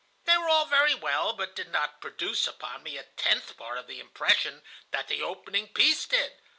They were all very well, but did not produce upon me a tenth part of the impression that the opening piece did.